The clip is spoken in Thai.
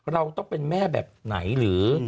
เราต้องเป็นแม่แบบไหนหรือ